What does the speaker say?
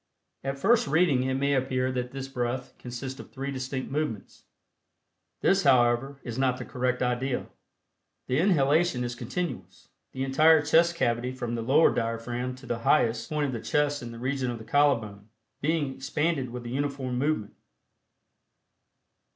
At first reading it may appear that this breath consists of three distinct movements. This, however, is not the correct idea. The inhalation is continuous, the entire chest cavity from the lowered diaphragm to the highest point of the chest in the region of the collar bone, being expanded with a uniform movement.